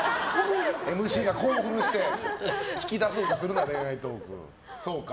ＭＣが興奮して聞き出そうとするな、恋愛トーク。